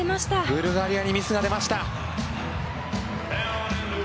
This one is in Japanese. ブルガリアにミスが出ました。